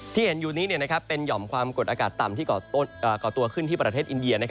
ที่เห็นอยู่นี้เป็นหย่อมความกดอากาศต่ำที่ก่อตัวขึ้นที่ประเทศอินเดีย